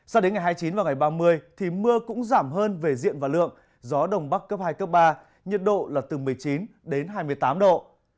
sao đến ngày hai mươi chín và ngày ba mươi thì mưa cũng giảm hơn về diện và lượng gió đông bắc cấp hai cấp ba nhiệt độ là từ một mươi chín đến hai mươi tám độ